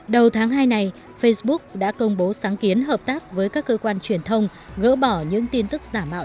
đầu tháng hai này facebook đã công bố sáng kiến hợp tác với các cơ quan truyền thông gỡ bỏ những tin tức giả mạo